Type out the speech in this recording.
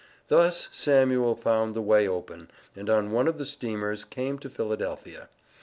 Thus Samuel found the way open and on one of the steamers came to Philadelphia.